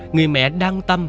người mẹ đáng tâm